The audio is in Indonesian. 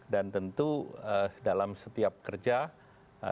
dan tentu dalam setiap kerja